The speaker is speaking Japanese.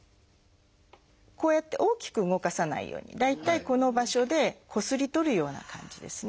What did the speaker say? こうやって大きく動かさないように大体この場所でこすり取るような感じですね。